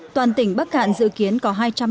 toàn tỉnh bắc hạn dự kiến có hai trường